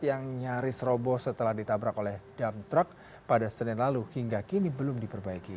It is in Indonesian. yang nyaris roboh setelah ditabrak oleh dam truck pada senin lalu hingga kini belum diperbaiki